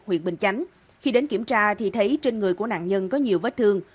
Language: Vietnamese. huyện bình chánh khi đến kiểm tra thì thấy trên người của nạn nhân có nhiều vết thương